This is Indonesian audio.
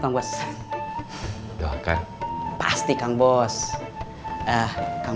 apa semua nyawanya bang